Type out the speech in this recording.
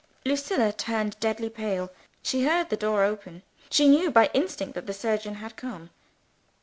Lucilla turned deadly pale: she had heard the door open, she knew by instinct that the surgeon had come.